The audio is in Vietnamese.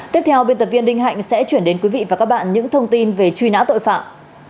tiếp theo biên tập viên đinh hạnh sẽ chuyển đến quý vị và các bạn những thông tin về truy nã tội phạm